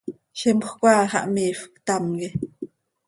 Zimjöc áa xah miifp, ctam quih.